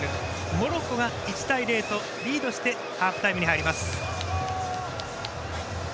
モロッコが、１対０とリードしてハーフタイムに入ります。